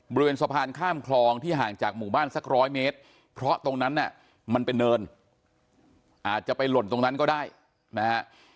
บริเวณสะพานข้ามคลองที่ห่างจากหมู่บ้านสักร้อยเมตรเพราะตรงนั้นน่ะมันเป็นเนินอาจจะไปหล่นตรงนั้นก็ได้นะฮะ